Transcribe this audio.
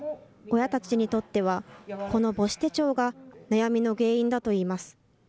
親たちにとっては、この母子手帳が悩みの原因だといいます。